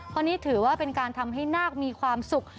เพราะนี่ถือว่าเป็นการทำให้นาคมีความสุข